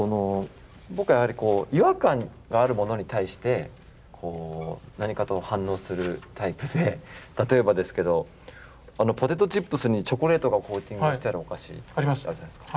僕はやはり違和感があるものに対して何かと反応するタイプで例えばですけどポテトチップスにチョコレートがコーティングしてあるお菓子あるじゃないですか。